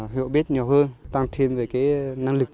hiệu biết nhiều hơn tăng thêm về cái năng lực